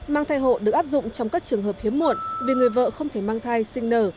mang thai hộ được áp dụng trong các trường hợp hiếm muộn vì người vợ không thể mang thai sinh nở